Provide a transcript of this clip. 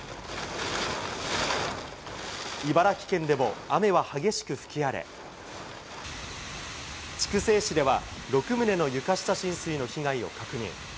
茨城県でも雨は激しく吹き荒れ、筑西市では、６棟の床下浸水の被害を確認。